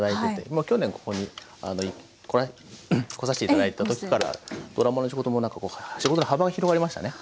まあ去年ここに来させて頂いた時からドラマの仕事もなんかこう仕事の幅が広がりましたね。